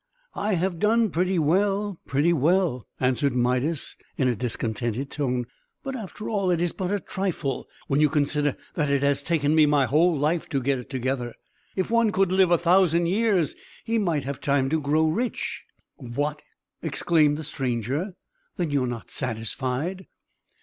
"I have done pretty well pretty well," answered Midas, in a discontented tone. "But, after all, it is but a trifle, when you consider that it has taken me my whole life to get it together. If one could live a thousand years, he might have time to grow rich!" "What!" exclaimed the stranger. "Then you are not satisfied?"